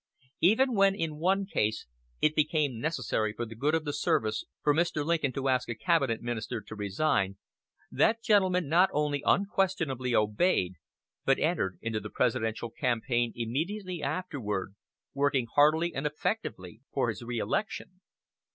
Even when, in one case, it became necessary for the good of the service, for Mr. Lincoln to ask a cabinet minister to resign, that gentleman not only unquestioningly obeyed, but entered into the presidential campaign immediately afterward, working heartily and effectively for his reelection.